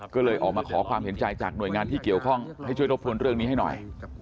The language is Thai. ก็เลยออกมาขอความเห็นใจจากหน่วยงานที่เกี่ยวข้องให้ช่วยทบทวนเรื่องนี้ให้หน่อย